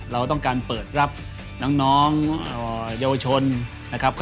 เราต้องการเปิดรับน้องเยาวชนนะครับ